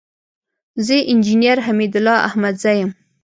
زه انجينر حميدالله احمدزى يم.